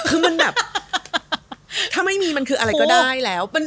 คือมันแบบถ้าไม่มีมันคืออะไรก็ได้แล้ว